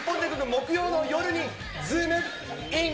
木曜の夜に、ズームイン！！